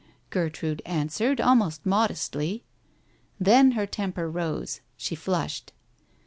Gertrude answered, almost modestly. ... Then her temper rose, she flushed.